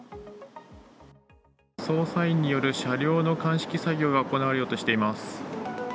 捜査員による車両の鑑識作業が行われようとしています。